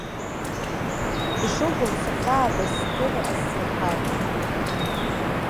Ишубо, сахьаатәаз, сдырра азсырҳаит.